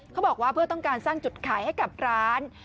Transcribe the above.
เขาบอกว่าเพื่อต้องการสร้างจุดขายให้กับร้าน